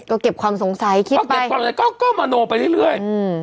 ก็เก็บความสงสัยคิดไปก็เก็บความสงสัยก็มโนไปเรื่อย